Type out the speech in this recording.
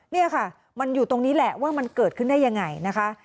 นี่ค่ะมันอยู่ตรงนี้แหละว่ามันเกิดขึ้นได้ยังไงนะคะ